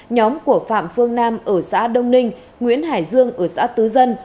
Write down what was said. nhóm của phạm phương nam ở xã đông ninh nguyễn hải dương ở xã tứ dân